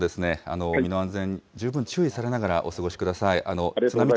このあともですね、身の安全、十分注意されながらお過ごしください。